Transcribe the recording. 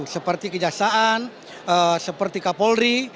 seperti kejaksaan seperti kapolri